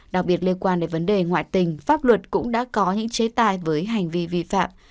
đặc biệt liên quan đến vấn đề ngoại tình pháp luật cũng đã có những chế tài với hành vi vi phạm